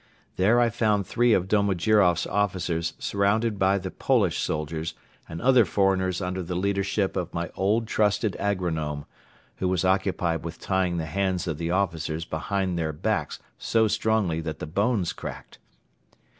There I found three of Domojiroff's officers surrounded by the Polish soldiers and other foreigners under the leadership of my old trusted agronome, who was occupied with tying the hands of the officers behind their backs so strongly that the bones cracked.